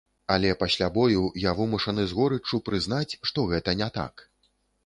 Але пасля бою я вымушаны з горыччу прызнаць, што гэта не так.